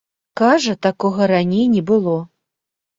Кажа, такога раней не было.